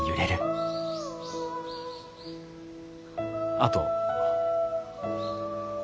あと。